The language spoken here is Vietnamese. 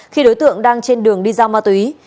khi đối tượng đang trên đường đi giao ma túy